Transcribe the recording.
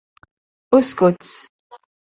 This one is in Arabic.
اسكت!